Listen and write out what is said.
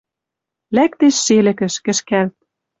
Лӓктеш шелӹкӹш, кӹшкӓлт.